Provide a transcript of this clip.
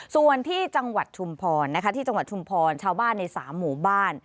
ส่วนที่จังหวัดชุมพรที่จังหวัดชุมพรชาวบ้านใน๓หมู่บ้าน